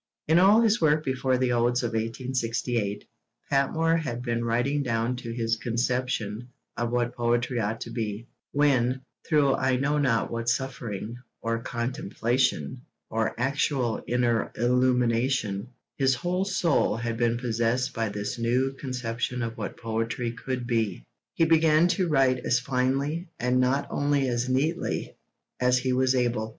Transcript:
In all his work before the Odes of 1868, Patmore had been writing down to his conception of what poetry ought to be; when, through I know not what suffering, or contemplation, or actual inner illumination, his whole soul had been possessed by this new conception of what poetry could be, he began to write as finely, and not only as neatly, as he was able.